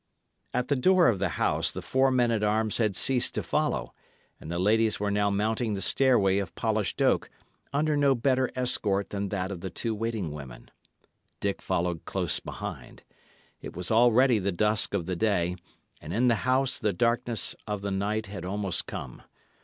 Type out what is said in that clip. At the door of the house the four men at arms had ceased to follow, and the ladies were now mounting the stairway of polished oak, under no better escort than that of the two waiting women. Dick followed close behind. It was already the dusk of the day; and in the house the darkness of the night had almost come.